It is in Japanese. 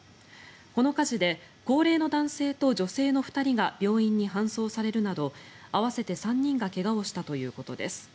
この火事で高齢の男性と女性の２人が病院に搬送されるなど合わせて３人が怪我をしたということです。